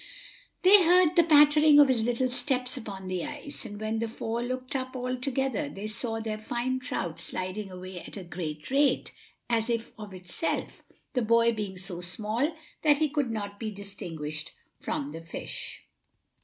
They heard the pattering of his little steps upon the ice, and when the four looked up all together, they saw their fine trout sliding away at a great rate, as if of itself, the boy being so small that he could not be distinguished from the fish.